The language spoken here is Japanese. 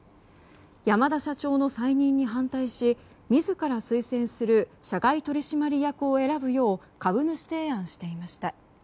山田社長の再任に反対し自ら推薦する社外取締役を選ぶよう株主提案していました。